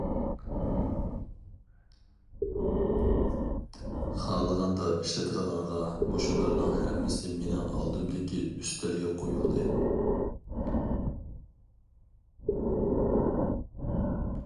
خالىغاندا ئىشلىتىدىغانغا مۇشۇلارنىڭ ھەممىسى مېنىڭ ئالدىمدىكى ئۈستەلگە قويۇلدى.